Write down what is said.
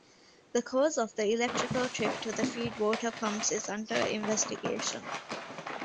The cause of the electrical trip to the feedwater pumps is under investigation.